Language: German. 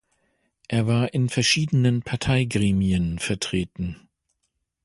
Er war in verschiedenen Parteigremien vertreten.